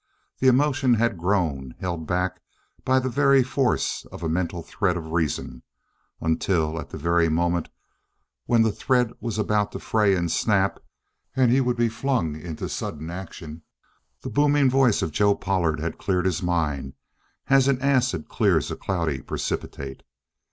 The emotion had grown, held back by the very force of a mental thread of reason, until, at the very moment when the thread was about to fray and snap, and he would be flung into sudden action, the booming voice of Joe Pollard had cleared his mind as an acid clears a cloudy precipitate.